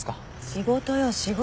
仕事よ仕事。